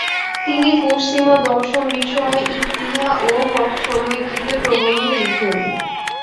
তিনি পশ্চিমা দর্শন বিষয়ে "ইকতিহা" ও "হক" সাময়িকীতে প্রবন্ধ লিখেন।